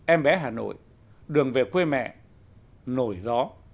em bé hà nội đường về quê mẹ nổi gió